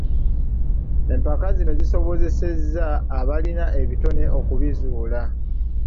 Empaka zino zisobozesa abalina ebitone okubizuula.